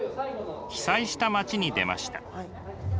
被災した街に出ました。